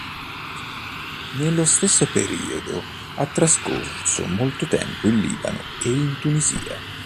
Nello stesso periodo ha trascorso molto tempo in Libano e in Tunisia.